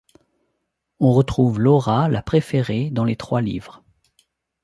On retrouve Laura, la préférée, dans les trois livres.